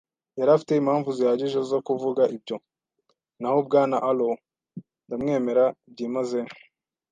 yari afite impamvu zihagije zo kuvuga ibyo. Naho Bwana Arrow, ndamwemera byimazeyo